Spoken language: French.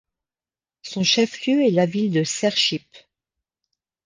Son chef-lieu est la ville de Serchhip.